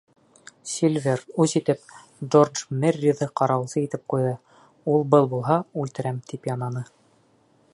Сильвер, үс итеп, Джордж Мерриҙы ҡарауылсы итеп ҡуйҙы, ул-был булһа, үлтерәм, тип янаны.